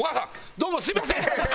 どうもすみません！」。